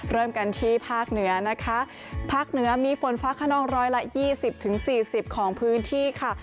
เริ่มกันที่ภาคเหนือนะคะภาคเหนือมีฝนฟ้าขนองร้อยละ๒๐๔๐ของพื้นที่ค่ะ